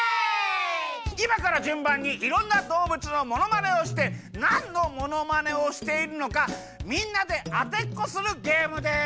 いまからじゅんばんにいろんなどうぶつのものまねをしてなんのものまねをしているのかみんなであてっこするゲームです！